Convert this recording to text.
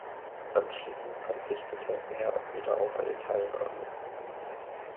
Anschließend verzichtete er wieder auf eine Teilnahme.